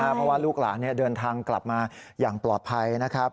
เพราะว่าลูกหลานเดินทางกลับมาอย่างปลอดภัยนะครับ